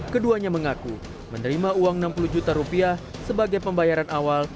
keduanya mengaku menerima uang enam puluh juta rupiah sebagai pembayaran awal